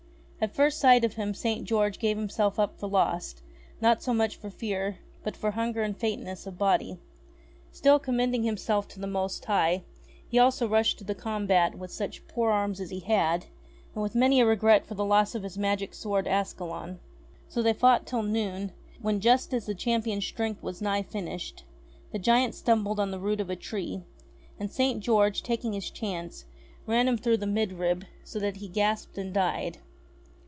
At first sight of him St. George gave himself up for lost, not so much for fear, but for hunger and faintness of body. Still, commending himself to the Most High, he also rushed to the combat with such poor arms as he had, and with many a regret for the loss of his magic sword Ascalon. So they fought till noon, when, just as the champion's strength was nigh finished, the giant stumbled on the root of a tree, and St. George, taking his chance, ran him through the mid rib, so that he gasped and died.